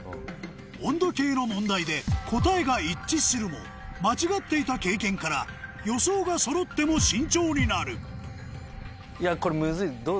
温度計の問題で答えが一致するも間違っていた経験から予想がそろっても慎重になるいやこれムズい。